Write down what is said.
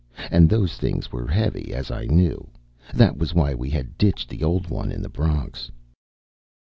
And those things were heavy, as I knew. That was why we had ditched the old one in the Bronx.